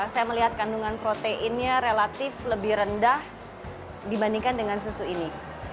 saya melihat kandungan proteinnya relatif lebih rendah dibandingkan dengan susu ini